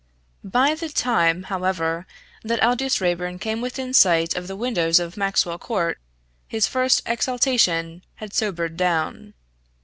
By the time, however, that Aldous Raeburn came within sight of the windows of Maxwell Court his first exaltation had sobered down.